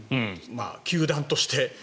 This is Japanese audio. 球団として。